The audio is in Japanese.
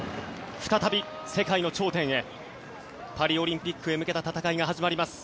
再び世界の頂点へパリオリンピックへ向けた戦いが始まります。